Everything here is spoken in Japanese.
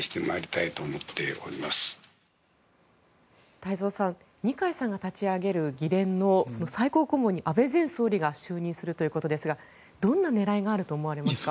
太蔵さん二階さんが立ち上げる議連のその最高顧問に安倍前総理が就任するということですがどんな狙いがあると思われますか？